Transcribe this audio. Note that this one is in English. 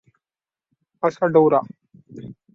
Asadora!